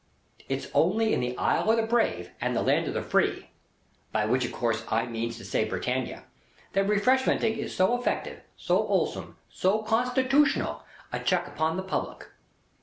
It's only in the Isle of the Brave and Land of the Free (by which of course I mean to say Britannia) that Refreshmenting is so effective, so 'olesome, so constitutional, a check upon the public.